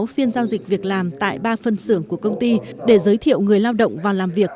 phiên giao dịch việc làm tại ba phân xưởng của công ty để giới thiệu người lao động vào làm việc